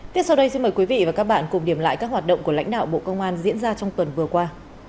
tiếp sau đây xin mời quý vị và các bạn cùng điểm lại các hoạt động của lãnh đạo bộ công an diễn ra trong tuần vừa qua